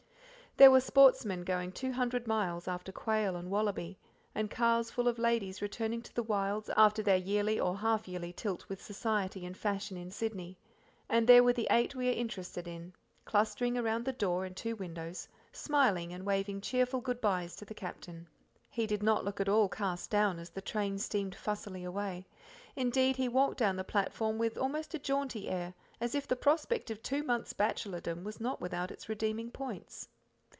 There were sportsmen going two hundred miles after quail and wallaby; and cars full of ladies returning to the wilds after their yearly or half yearly tilt with society and fashion in Sydney; and there were the eight we are interested in, clustering around the door and two windows, smiling and waving cheerful good byes to the Captain. He did not look at all cast down as the train steamed fussily away indeed, he walked down the platform with almost a jaunty air as if the prospect of two months bachelordom was not without its redeeming points.